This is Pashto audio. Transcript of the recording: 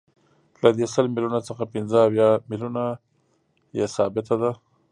له دې سل میلیونو څخه پنځه اویا میلیونه یې ثابته ده